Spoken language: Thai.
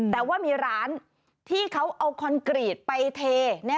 แต่ว่ามีร้านที่เขาเอาคอนกรีตไปเท